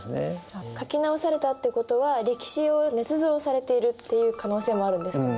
じゃあ書き直されたってことは歴史をねつ造されているっていう可能性もあるんですか？